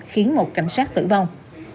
khiến một cảnh sát tử vong